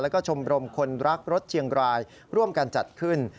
แล้วก็ชมรมคนรักรถเชียงรายร่วมกันจัดขึ้น